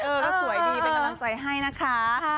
ก็สวยดีเป็นกำลังใจให้นะคะ